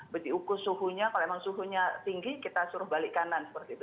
beri ukur suhunya kalau emang suhunya tinggi kita suruh balik kanan seperti itu